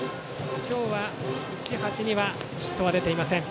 今日は市橋にはヒットは出ていません。